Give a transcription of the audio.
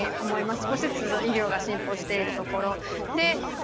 少しずつ医療が進歩しているところ。